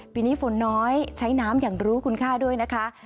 ปีนี้ฝนน้อยใช้น้ำอย่างรู้คุณค่าด้วยนะคะ